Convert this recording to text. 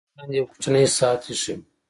په مېز باندې یو کوچنی ساعت ایښی و